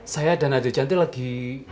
saya dan adik janti lagi